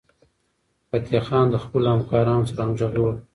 فتح خان د خپلو همکارانو سره همغږي وکړه.